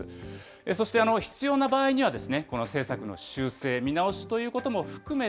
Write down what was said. そして必要な場合には、政策の修正、見直しということも含めて、